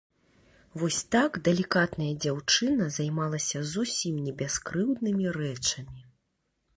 Вось так далікатная дзяўчына займалася зусім не бяскрыўднымі рэчамі.